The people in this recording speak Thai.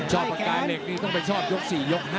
ชอบปากกาเหล็กต้องไปชอบยก๔ยก๕